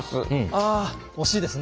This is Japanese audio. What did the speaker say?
ああ惜しいですね。